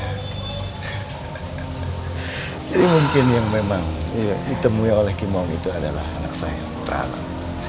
jadi mungkin yang memang ditemui oleh kimahung itu adalah anak saya putra alam